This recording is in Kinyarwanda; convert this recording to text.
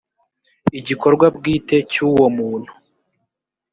igikorwa bwite cy uwo muntu